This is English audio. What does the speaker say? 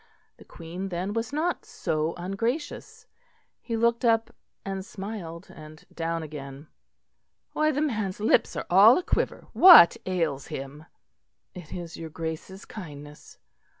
The Queen then was not so ungracious. He looked up and smiled and down again. "Why, the man's lips are all a quiver. What ails him?" "It is your Grace's kindness."